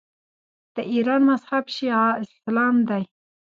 د ایران مذهب شیعه اسلام دی.